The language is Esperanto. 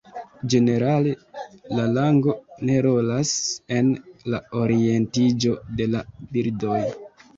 Ĝenerale, la lango ne rolas en la orientiĝo de la birdoj.